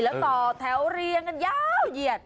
แล้วต่อแถวเรียงกันยาวเหยียด